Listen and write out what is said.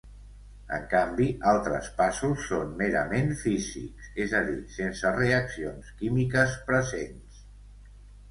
En canvi altres passos són merament físics, és a dir, sense reaccions químiques presents.